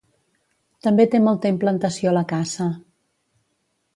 També té molta implantació la caça.